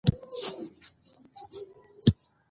سړي وویل چې دا څه شی نه دی، بلکې یو منفور انسان دی.